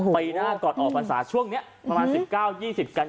ปีหน้าก่อนออกพรรษาช่วงนี้ประมาณ๑๙๒๐กัน